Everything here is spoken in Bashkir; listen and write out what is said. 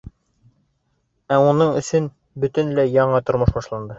Ә уның өсөн бөтөнләй яңы тормош башланды.